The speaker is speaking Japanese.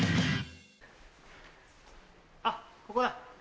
あっここだ。